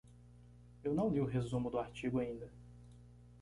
Eu não li o resumo do artigo ainda.